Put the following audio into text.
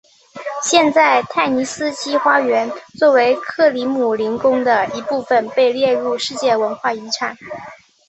现在泰尼斯基花园作为克里姆林宫的一部分被列入世界文化遗产。